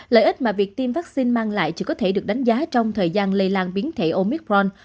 lợi ích mà việc tiêm vaccine mang lại chỉ có thể được đánh giá trong thời gian lây lan biến thể omicron